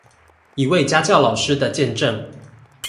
一位家教老師的見證